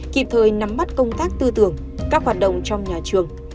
kịp thời nắm mắt công tác tư tưởng các hoạt động trong nhà trường